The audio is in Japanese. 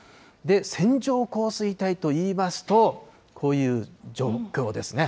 線状降水帯といいますと、こういう状況ですね。